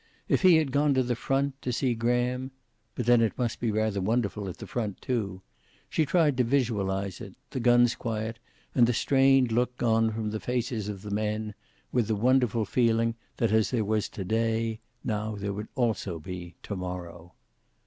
If he had gone to the front, to see Graham but then it must be rather wonderful at the front, too. She tried to visualize it; the guns quiet, and the strained look gone from the faces of the men, with the wonderful feeling that as there was to day, now there would also be to morrow.